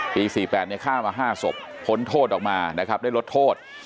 ปี๑๙๔๘ฆ่ามา๕ศพผลโทษออกมาได้ลดโทษ